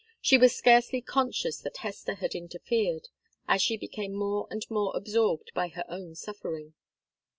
She was scarcely conscious that Hester had interfered, as she became more and more absorbed by her own suffering.